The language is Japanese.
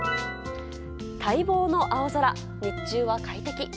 待望の青空、日中は快適。